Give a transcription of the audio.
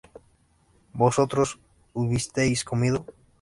vosotros hubisteis comido